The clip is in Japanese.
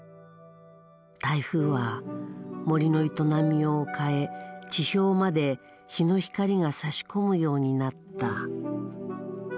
台風は森の営みを変え地表まで日の光がさし込むようになった。